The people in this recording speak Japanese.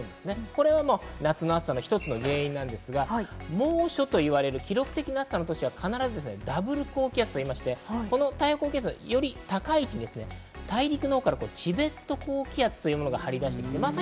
これは夏の暑さの一つの原因なんですが、猛暑といわれる記録的な暑さの年は必ずダブル高気圧と言いまして、この太平洋高気圧がより高い位置、大陸のほうからチベット高気圧というものが張り出してきます。